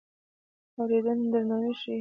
اورېدنه درناوی ښيي.